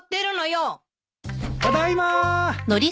ただいま。